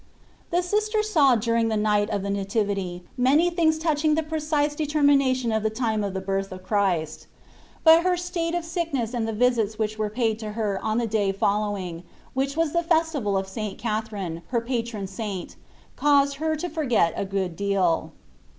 The Sister saw during the night of the Nativity many things touching the precise determination of the time of the birth of Christ ; but her state of sickness and the visits which were paid to her on the day following, which was the festival of St. Catherine, her patron Saint, caused her to forget a good deal.